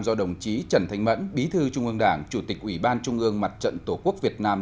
do đồng chí trần thanh mẫn bí thư trung ương đảng chủ tịch ủy ban trung ương mặt trận tổ quốc việt nam